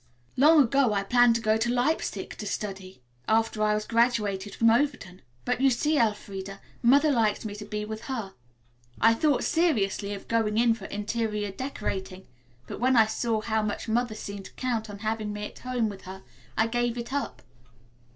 Long ago I planned to go to Leipsic to study, after I was graduated from Overton, but you see, Elfreda, Mother likes me to be with her. I thought seriously of going in for interior decorating, but when I saw how much Mother seemed to count on having me at home with her I gave it up.